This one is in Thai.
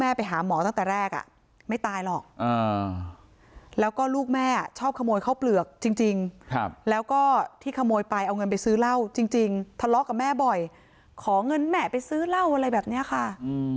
เอาเงินไปซื้อเหล้าจริงทะเลาะกับแม่บ่อยของเงินแหม่ไปซื้อเหล้าอะไรแบบนี้ค่ะ